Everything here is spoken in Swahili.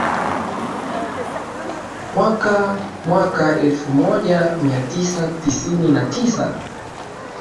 Mwaka mwaka elfu moja mia tisa tisini na tisa